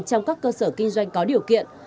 trong các cơ sở kinh doanh có điều kiện